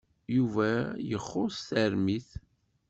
Yuba ixuṣ tarmit.